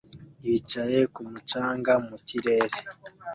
Yicaye kumu canga mu kirere